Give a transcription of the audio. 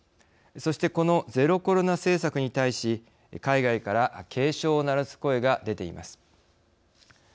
そしてこのゼロコロナ政策に対し海外から警鐘を鳴らす声が出ています。